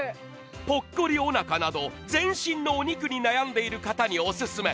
ぽっこりおなかなど、全身のお肉に悩んでいる方にオススメ。